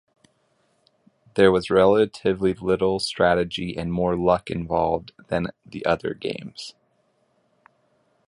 There was relatively little strategy and more luck involved than the other games.